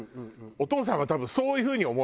お父さんは多分そういう風に思う。